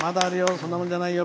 そんなもんじゃないよ。